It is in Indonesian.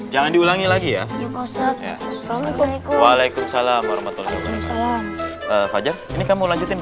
jangan diulangi lagi ya waalaikumsalam waalaikumsalam waalaikumsalam ini kamu lanjutin